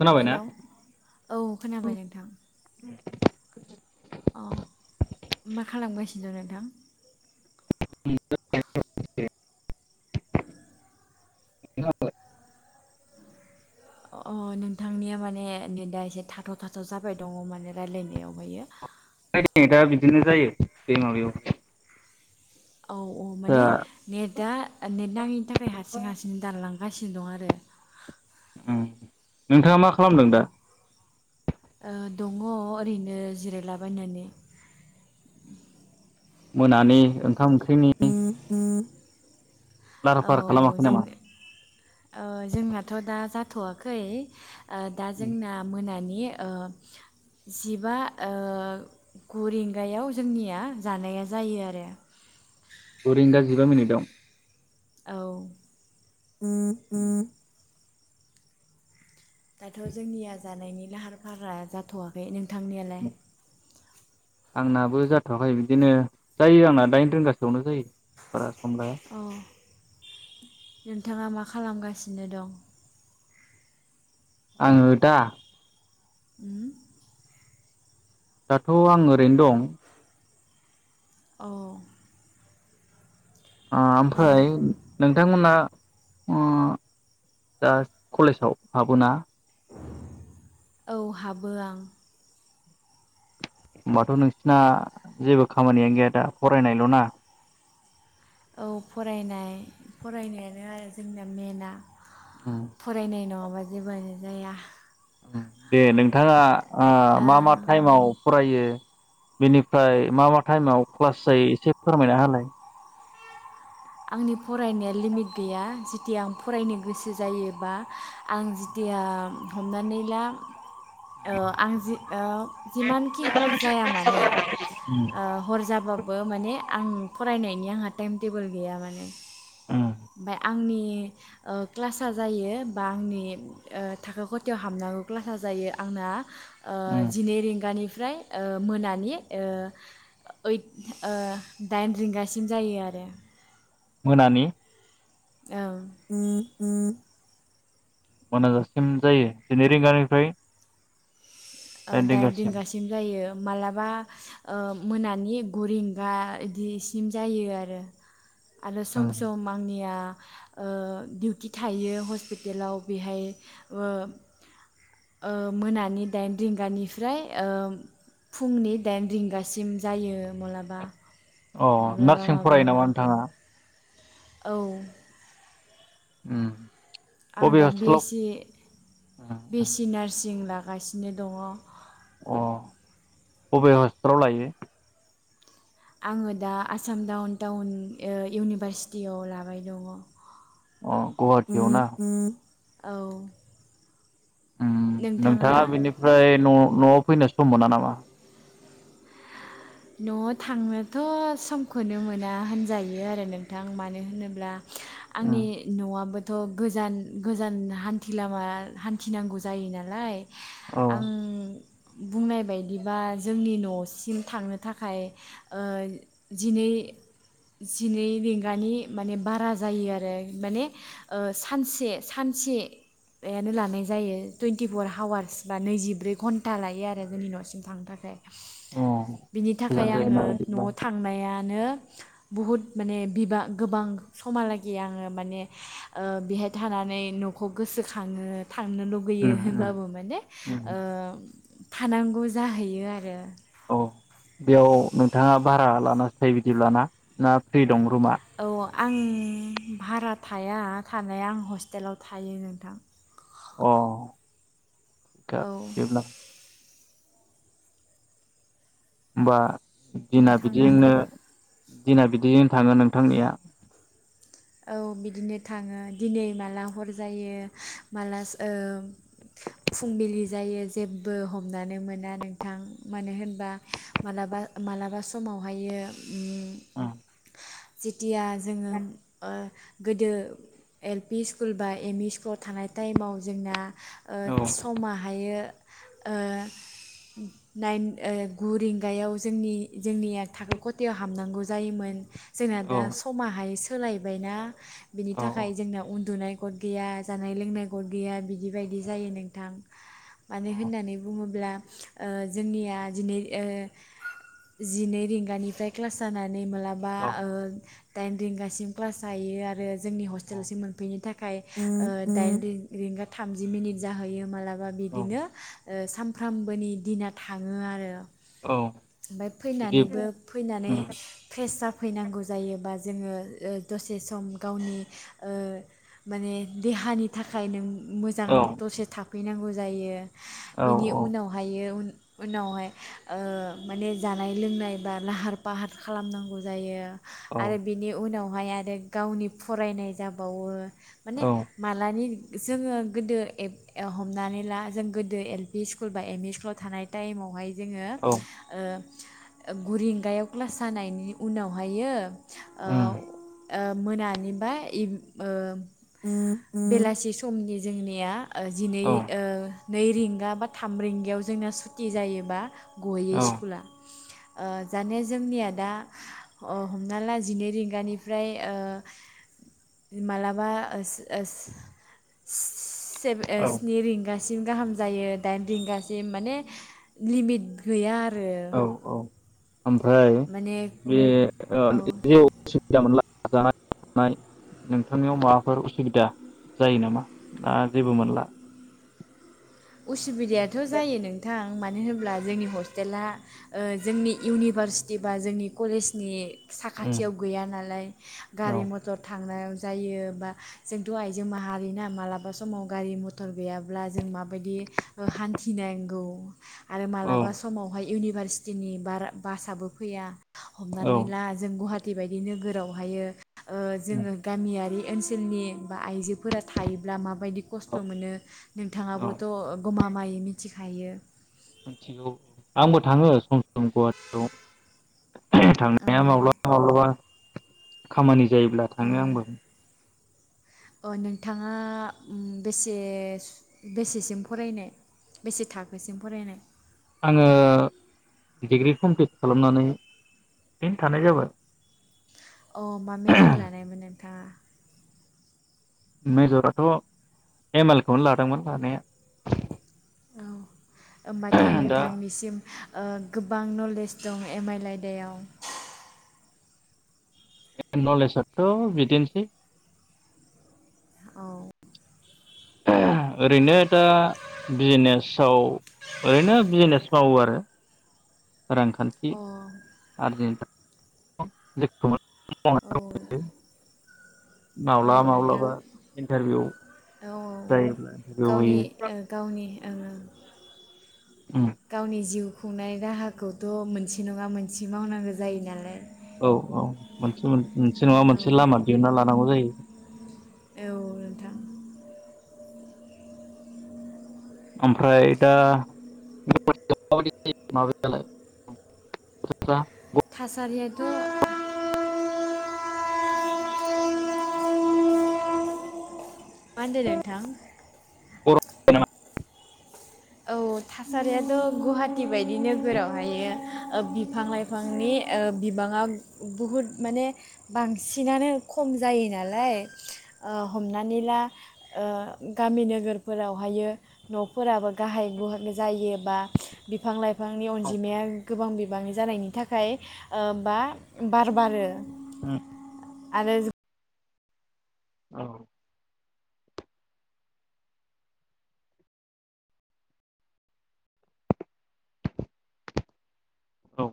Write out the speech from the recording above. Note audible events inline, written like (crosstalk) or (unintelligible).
खोनाबायना हेलौ औ खोनाबाय नोंथां। अ। मा खालामगासिनो नोंथां? (unintelligible) खोनाबाय। अ नोंथांनिया माने नेदा एसे थाथ' थाथ' जाबाय दङ' माने रायलायनायावहायो। ओमफ्राय दा बिदिनो जायो बै माबायाव। औ औ दा माने नेटआ नेट नाङैनि थाखाय हारसिं हारसिं दानलां गासिनो दं आरो उम नोंथाङा मा खालामदों दा? ओ दङ' ओरैनो जिरायलाबायनानै। मोनानि ओंखाम ओं (inaudible) लाहार औ फाहार खालामाखै जों नामा? ओ जोंनाथ' दा जाथ'वाखै। ओ दा जोंना मोना नि ओ जि बा गु रिंगायाव जोंनिया जानाया जायो आरो गु रिंगा जिबा मिनिटाव। औ। (inaudible) दाथ' जोंनिया जानायनि लाहार फाहारा जाथ'वाखै नों थांनायालाय। आंनाबो जाथ'वाखै बिदिनो जायो आंना दाइन रिंगासोआवनो जायो। बारा समलाया। अ नोंथाङा मा खालामगासिनो दं? आङो दा उम। दाथ' आं ओरैनो दं। औ। ओ ओमफ्राय नोंथांमोना अ दा कलेजाव हाबोना? औ हाबो आं। होमबाथ' नोंसिना जेबो खामानियानो गैया दा फरायनायल' ना? औ फरायनाय फरायनायानो आरो जोंनिया मेनआ। उम फरायनाय नङा बादि जेबोआनो जाया। उम दे। नोंथाङा आ मा मा ओ टाइमाव - फरायो बेनिफ्राय मा मा टाइमाव क्लास जायो एसे फोरमायना होलाय। आंनि फरायनाया लिमिट गैया जेथिया आं फरायनो गोसो जायोबा आं जेथिया हमनानै ला ओ आं जि ओ जिमानखि हर जाया मानो उम ओ हर जाबाबो माने आं फरायनायनि आंहा टाइम टेबोल गैया माने। उम ओमफाय आंनि नि ओ क्लासा जायो बा आंनि ओ थाखो खथायाव हाबनांगौ क्लासा जायो आंना ओ उम जिनै रिंगानि फ्राय ओ मोनानि ओ ओइट ओ डाइन रिंगासिम जायो आरो। मोनानि? औ। मोनाजासिम जायो। जिनै रिंगानिफ्राय ओ डाइन रिंगासिम जायो। मालाबा ओ मोनानि गु रिंगा इदिसिम जायो आरो। आरो सम उम सम आंनिया ओ डिउटि थायो हस्पिटेलाव बेहाय ओ ओ मोनानि डाइन रिंगानिफ्राय ओ फुंनि दाइन रिंगासिम जायो मलाबा। अ नार्सिं फरायो नामा नोंथाङा? औ। उम। आं बबे दा बि ए हस्टेलाव सि बे ए सि नार्सिं ला गासिनो दंङ। अ बबे हस्पिटालाव लायो? आंङो दा आसा (unintelligible) औ। उम नोंथाङा बिनिफ्राय न' नआव फैनो सम मोना नामा‍? न'आव थांनोथ समखौनो मोना होनजायो आरो नोंथां मानो होनोब्ला उम आंनि न'आबो थ' गोजान गोजान हान्थि लामा हान्थिनांगौ जायो नालाय औ आं बुंनाय बायदिबा जोंनि न'सिम थांनो थाखाय ओ जिनै जिनै रिंगानि माने बारा जायो आरो माने सानसे सानसेयानो लानाय जायो टुइन्टिफर हावार्स बा नैजिब्रै घन्टा लायो आरो जोंनि न'सिम थांनो थाखाय अ बिनि थाखाय गोजान जायोना आंङो बिदिब्ला न'आव थांनाया नो बहुद माने बिबां गोबां समालागे आंङो माने ओ बेहाय थानानै न'खौ गोसोखाङो थांनो लुगैयो उम उम होनबाबो माने उम ओ थानांगौ जाहैयो आरो अ बेयाव नोंथाङा भारा लानासो थायो बिदिब्लाना ना फ्रि दं रुमा औ आं भारा थाया थानाया आं हस्टेलाव थायो नोंथां अ औ (unintelligible) बिदिब्ला होमबा दिना नोंथाङा बिदिनो दिना बिदिजों थांङो नोंथांनिया औ बिदिनो थांङो दिनै माला हर जायो माला ओ फुंबिलि जायो जेबो हमनानै मोना नोंथां मानो होनबा मालाबा मालाबा समावहायो उम औ थिया जोंङो होम ओ गोदो एल पि स्कुल बा एम इ स्कुलाव थानाय टाइमाव जोंना ओ औ समा हायो ओ नाइन ओ गु रिंगायाव जोंनि जोंनिया थाखो खथायाव हाबनांगौ जायोमोन जोंना दा औ समाहाय सोलाय बायना बेनि औ थाखाय जोंना उन्दुनाय गट गैया जानाय लोंनाय गट गैया बिदि बादि जायो नोंथां मानो होननानै बुङोब्ला ओ जोंनिया जिनै ओ जिनै रिंगानिफ्राय क्लास जाना नै मालाबा औ ओ दाइन रिंगासिम क्लास जायो आरो जोंनि औ हस्टेलसिम मोनफैनो था खाय दाइन रिंगा थामजि मिनिट जाहैयो माला मबा औ बिदिनो ओ सानफ्रामबोनि दिना थाङो आरो। औ ओमफ्राय बिदि फैनानैबो फैनानै उम फ्रेस जा फैनांगौ जायोबा जोङो ओ दसे सम गावनि ओ माने देहानि थाखाय नों मोजां औ दसे था फैनांगौ जायो। औ बिनि उनावहायो उनावहाय ओ माने जानाय लोंनाय बा लाहार फाहार खालामनांगौ जायो। औ आरो बिनि उनाव (unintelligible) आरो गावनि फरायनाय जाबावो। माने औ मालानि जोङो गोदो ए-हमनानै ला जों गोदो एल पि स्कुल बा एमइ स्कुलाव थानाय टाइमावहाय जोङो औ ओ गु रिंगायाव क्लास जानायनि उनावहायो ओ उम ओ मोनानि बा इभ ओ बेलासि समनि जोंनिया जिनै औ ओ नै रिंगा बा थाम रिंगायाव जोंना सुटि जायोबा गयो औ औ स्कुला। ओ जानिया जोंनिया दा अ हमना ला जिनै रिंगानिफ्राय फ्राय ओ मालाबा ओ स सेभ ओ औ स्नि रिंगा गाहामसिम जायो डाइन रिंगासिम माने लिमिट गैया आरो औ औ (unintelligible) माने औ जानाय थानाय नोंथांनियाव माबाफोर उसुबिदा जायो नामा ना जेबो मोनला? उस उसु बिदायाथ' जायो नोंथां। मानो होनोब्ला जोंनि हस्टेला जोंनि इउनिभारसिटि बा जोंनि कलेजनि साखाथियाव गैया नालाय औ गारि मथर थांनायाव जायोबा जोंथ' आइजों माहारिना मालाबा समाव गारि मथर गैयाब्ला जों मा बायदि हान्थिनांगौ आरो औ मालाबा समावहाय इउनिभारसिटिनि बारा बासाबो फैया। हमनानै ला जों गुवाहा ति बायदि नोगोरावहायो जोङो गामियारि ओनसोलनि बा आइजोफोरा थायोब्ला माब बायदि खस्थ औ मोनो औ नोंथाङाबो गमामायै मिथिखायो। मिथिगौ आंबो थाङो सम सम गुवाहाटियाव। औ थांनाया माब्लाबा माब्लाबा खामानि जायोब्ला औ थाङो आंबो। अ नोंथाङा बेसे बेसेसिम फरायनाय बेसे थाखोसिम फरायनाय? आङो डिग्रि कमप्लिट खालामनानै बेनो थानाय जाबाय। अ मा मेजर लानायमोन नोंथाङा? मेजराथ एम एल खौनो लादोंमोन लानाया। औ। होमबाथ' दा नोंथांनिसिम ओ गोबां नलेज दं एम आइल आयदायाव। ए नलेजआथ' बिदिनोसै। औ। ओरैनो दा बिजिनेसाव ओरैनो बिजिनेस मावो आरो। रांखान्थि अ आरजि औ (unintelligible) (unintelligible) औ माब्लाबा माब्लाबा नोंथां इन्टारभिउ औ जायोब्ला इन्टारभिउ गावनि होयो। गावनि ओ। गावनि जिउ खुंनाय राहाखौथ' मोनसे नङा मोनसे मावनांगौ जायो नालाय। औ औ मोनसे मोनसे नङा औ मोनसे लामा दिहुनना लानांगौ जायो। औ नोंथां। ओमफ्राय दा (inaudible) लाय (inaudible) दा सारियथ' (inaudible) माहोन्दो नोंथां? (unintelligible) औ थासारियाथ' गुवाहाटि बायदि नोगोरावहायो ओ बिफां लाइफांनि ओ बिबाङा बहुद माने बांसिनानो खम जायो नालाय ओ हमनानै ला ओ गामि नोगोरफोरावहायो नफोराबो गाहाय गुहा जायो बा बिफां-लाइफ फांनि अनजिमाया गोबां बि बांनि जानायनि थाखाय ओ बा बार बारो। उम। आरो ज औ। औ।